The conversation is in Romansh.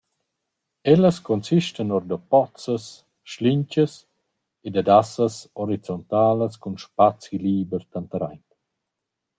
Ellas consistan our da pozzas schlinchas e dad assas orizontalas cun spazi liber tanteraint.